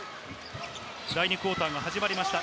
第２クオーターが始まりました。